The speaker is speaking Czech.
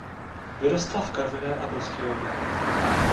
Vyrostla v Karviné a Prostějově.